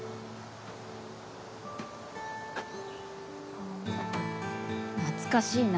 おお懐かしいな。